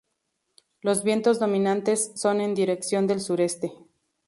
Los vientos dominantes son en dirección del sureste.